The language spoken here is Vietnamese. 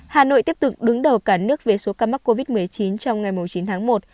hà nội tiếp tục đứng đầu cả nước về số ca mắc covid một mươi chín trong ngày chín tháng một